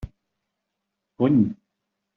Cony!